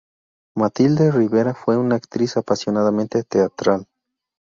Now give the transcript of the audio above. Matilde Rivera fue una actriz apasionadamente teatral.